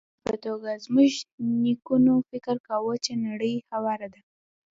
د بېلګې په توګه، زموږ نیکونو فکر کاوه چې نړۍ هواره ده.